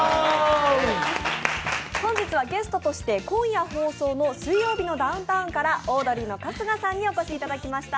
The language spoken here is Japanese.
本日はゲストとして今夜放送の「水曜日のダウンタウン」からオードリーの春日さんにお越しいただきました。